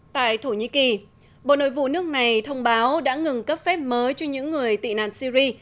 tại thổ nhĩ kỳ bộ nội vụ nước này thông báo đã ngừng cấp phép mới cho những người tị nạn syri